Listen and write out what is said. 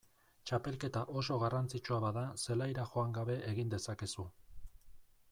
Txapelketa oso garrantzitsua bada zelaira joan gabe egin dezakezu.